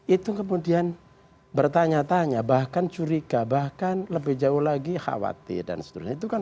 itu kemudian bertanya tanya bahkan curiga bahkan lebih jauh lagi khawatir dan seterusnya